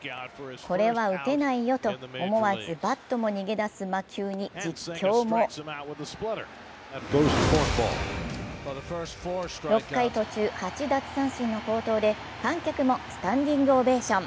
これは打てないよと、思わずバットも逃げ出す魔球に実況も６回途中、８奪三振の好投で観客もスタンディングオベーション。